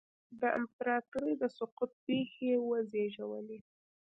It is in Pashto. د امپراتورۍ د سقوط پېښې یې وزېږولې.